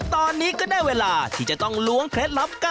ต่อไปก็เป็นหอมใหญ่